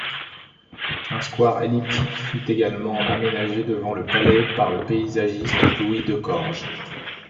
Un square elliptique fut également aménagé devant le palais par le paysagiste Louis Decorges.